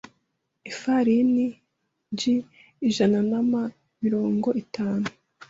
ifarini g ijana na mirongo itanu